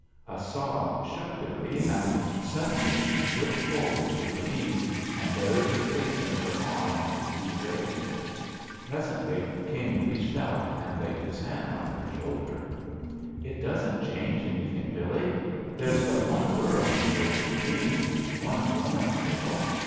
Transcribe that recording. A sob shook Billee and suddenly she slipped forward to her knees and buried her face in her arms on the pew rail. Presently King reached out and laid his hand on her shoulder. "It doesn't change anything Billee. There's but one girl in the world for me— one grown up girl.